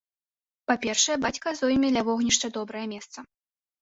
Па-першае, бацька зойме ля вогнішча добрае месца.